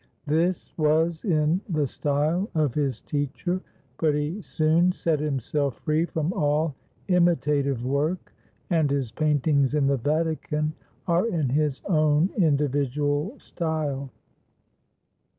This was in the style of his teacher, but he soon set himself free from all imitative work, and his paintings in the Vatican are in his own individual style.